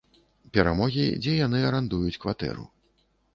Перамогі, дзе яны арандуюць кватэру.